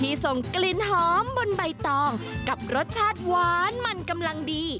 ส่งกลิ่นหอมบนใบตองกับรสชาติหวานมันกำลังดี